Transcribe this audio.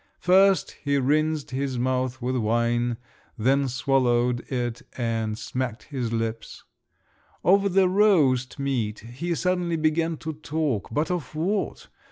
First he rinsed his mouth with wine, then swallowed it and smacked his lips…. Over the roast meat he suddenly began to talk—but of what?